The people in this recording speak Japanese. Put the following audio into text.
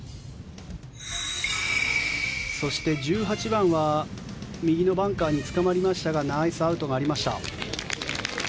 そして１８番は右のバンカーにつかまりましたがナイスアウトがありました。